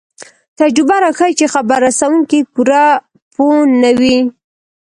تجربه راښيي چې خبر رسوونکی پوره پوه نه وي.